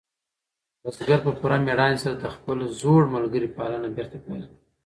بزګر په پوره مېړانې سره د خپل زوړ ملګري پالنه بېرته پیل کړه.